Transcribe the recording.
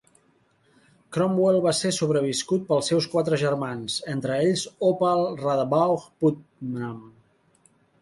Cromwell va ser sobreviscut pels seus quatre germans, entre ells Opal Radabaugh Putnam.